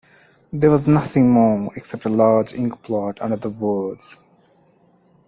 There was nothing more, except a large ink blot under the words.